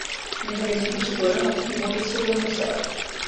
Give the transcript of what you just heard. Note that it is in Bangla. তিনি তাকে জিজ্ঞাসা করেন, আপনি কি বনী ইসরাঈলের মূসা?